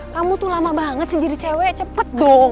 kamu tuh lama banget sih jadi cewek cepet dong